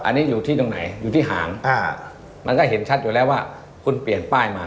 อันนี้อยู่ที่ตรงไหนอยู่ที่หางมันก็เห็นชัดอยู่แล้วว่าคุณเปลี่ยนป้ายมา